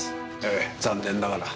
ええ残念ながら。